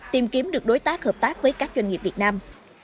tìm kiếm được đối tác hợp tác với các doanh nghiệp việt nam